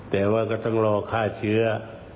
แต่ว่าก็ต้องรอฆ่าเชื้อ